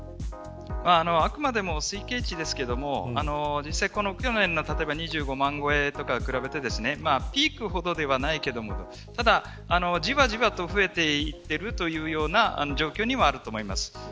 あくまでも推計値ですが去年の２５万超えと比べてピークほどではないけれどじわじわと増えているというような状況にはあると思います。